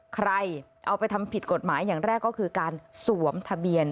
ใครเอาไปทำผิดกฎหมายอย่างแรกก็คือการสวมทะเบียน